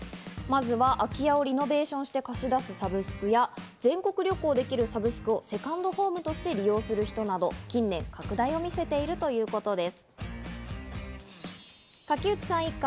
まずは空き家をリノベーションして貸し出すサブスクや全国旅行できるサブスクをセカンドホームとして利用する人など、近年拡大を見せているということです。